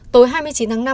tối hai mươi chín tháng năm